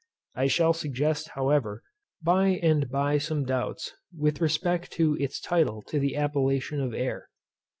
I shall suggest, however, by and by some doubts with respect to it's title to the appellation of air.